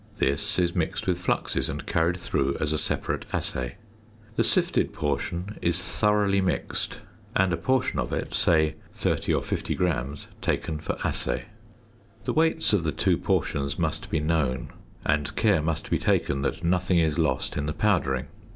This is mixed with fluxes and carried through as a separate assay. The sifted portion is thoroughly mixed, and a portion of it, say 30 or 50 grams, taken for assay. The weights of the two portions must be known, and care must be taken that nothing is lost in the powdering.